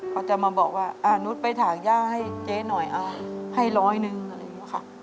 เขาจะมาบอกว่านุษย์ไปถากย่าให้เจ๊หน่อยให้ร้อยหนึ่งอะไรอย่างนี้ค่ะ